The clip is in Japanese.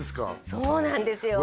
そうなんですよ